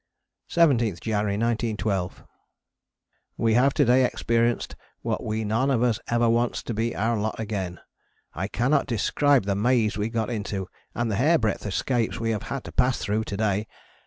17th January 1912. We have to day experienced what we none of us ever wants to be our lot again. I cannot describe the maze we got into and the hairbreadth escapes we have had to pass through to day.